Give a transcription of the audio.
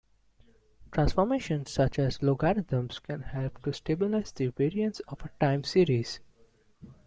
Transformations such as logarithms can help to stabilize the variance of a time series.